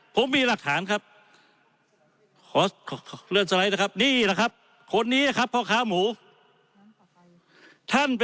ผมมีหลักฐานครับขอเลื่อนสลัดนี่แหละครับ